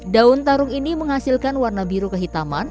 daun tarung ini menghasilkan warna biru kehitaman